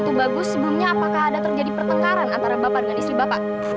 itu bagus sebelumnya apakah ada terjadi pertengkaran antara bapak dengan istri bapak